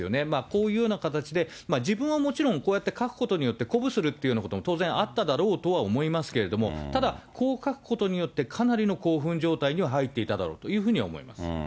こういうような形で自分はもちろんこうやって書くことによって、鼓舞するっていうようなことも当然あっただろうとは思いますけれども、ただ、こう書くことによって、かなりの興奮状態には入っていただろうというふうには思います。